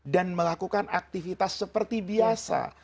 dan melakukan aktivitas seperti biasa